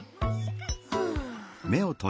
ふう。